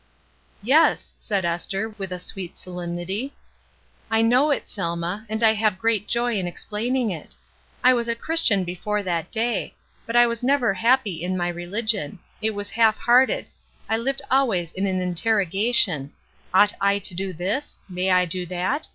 ''Yes," said Esther, with a sweet solemnity, ''I know it, Selma, and I have great joy in ex plaining it. I was a Christian before that day ; but I was never happy in my religion; it was half hearted ; I lived always in an interrogation :' Ought I to do this ? May I do that